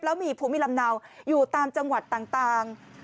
แล้วมีภูมิลำเนาอยู่ตามจังหวัดต่าง